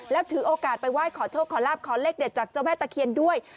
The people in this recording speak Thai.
แล้วถือโอกาสไปไหว้ขอโชคขอลาบขอเลขเด็ดจากเจ้าแม่ตะเคียนด้วย